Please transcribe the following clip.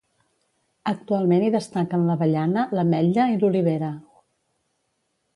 Actualment hi destaquen l'avellana, l'ametlla i l'olivera.